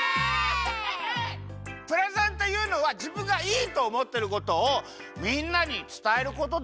プレゼンというのはじぶんがいいとおもってることをみんなにつたえることです。